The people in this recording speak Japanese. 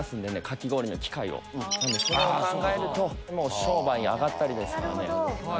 かき氷の機械をなのでそれを考えるともう商売上がったりですからね